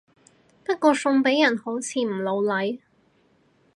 不過送俾人好似唔老嚟